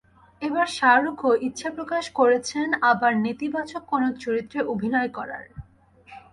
এবার শাহরুখও ইচ্ছা প্রকাশ করেছেন আবারও নেতিবাচক কোনো চরিত্রে অভিনয় করার।